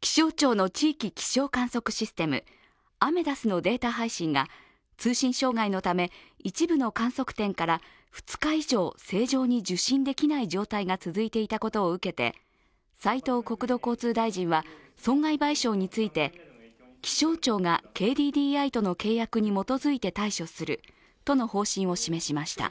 気象庁の地域気象観測システム、アメダスのデータ配信が通信障害のため一部の観測点から２日以上、正常に受信できない状態が続いていたことを受けて斉藤国土交通大臣は損害賠償について、気象庁がＫＤＤＩとの契約に基づいて対処するとの方針を示しました。